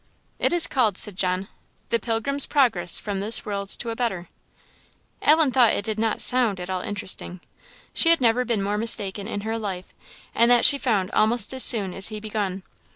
"It is called," said John, "The Pilgrim's Progress from this World to a better." Ellen thought it did not sound at all interesting. She had never been more mistaken in her life, and that she found almost as soon as he begun.